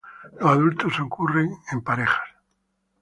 Los adultos ocurren en parejas.